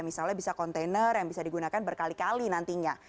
misalnya bisa kontainer yang bisa digunakan berkali kali nantinya